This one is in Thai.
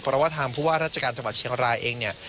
เพราะว่าทางผู้ว่าราชการจังหวัดเชียงรายเองเนี่ย